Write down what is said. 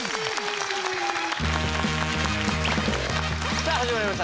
さあ始まりました